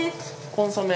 コンソメ。